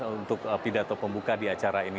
untuk pidato pembuka di acara ini